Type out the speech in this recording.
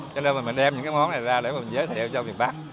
cho nên mình đem những món này ra để mình giới thiệu cho miền bắc